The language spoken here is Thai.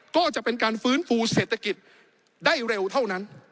ก็จะเป็นการฟื้นฟูเศรษฐกิจได้เร็วเท่านั้น